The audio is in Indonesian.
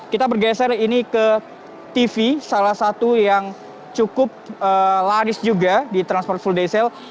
kita bergeser ini ke tv salah satu yang cukup laris juga di transmart full day sale